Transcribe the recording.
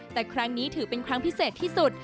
แต่ครั้งนี้ถือเป็นครั้งพิเศษที่สุด